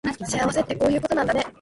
幸せってこういうことなんだね